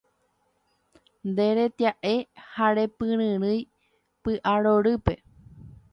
Nderetia'e ha repyryrỹi py'arorýpe